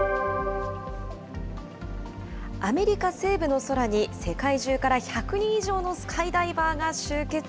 アメリカ西部の空に、世界中から１００人以上のスカイダイバーが集結。